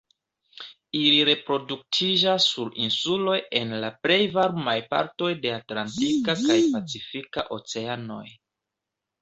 Ili reproduktiĝas sur insuloj en la plej varmaj partoj de Atlantika kaj Pacifika Oceanoj.